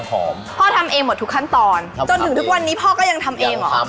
พ่อก็ยังทำเองเหรอมาถึงร้านหนังทีขอไปทำข้างในหน่อยได้ไหมพ่อ